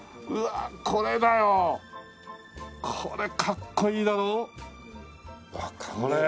うわあこれだよ。これかっこいいだろ？